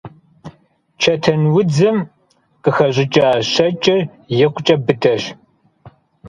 Чэтэнудзым къыхэщӀыкӀа щэкӀыр икъукӀэ быдэщ.